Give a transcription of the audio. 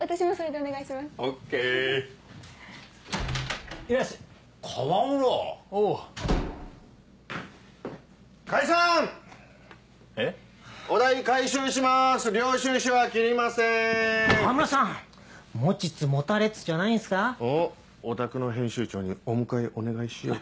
おっ？おたくの編集長にお迎えお願いしようか？